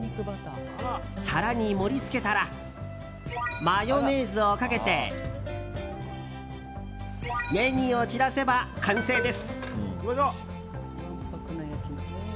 皿に盛り付けたらマヨネーズをかけてネギを散らせば完成です。